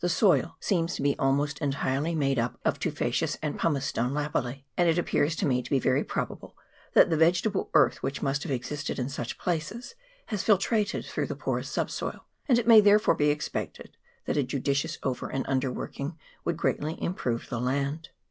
367 soil seems to be almost entirely made up of tufa ceous and pumices tone lapilli ; and it appears to me to be very probable that the vegetable earth which must have existed in such places has nitrated through the porous subsoil, and it may therefore be expected that a judicious over and underworking would greatly improve the land.